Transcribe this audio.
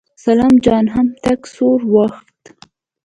سلام جان هم تک سور واوښت.